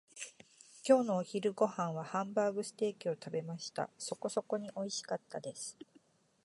今日のお昼ご飯はハンバーグステーキを食べました。そこそこにおいしかったです。